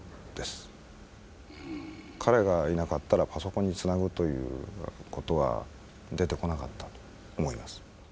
彼がいなかったらパソコンにつなぐということは出てこなかったと思います。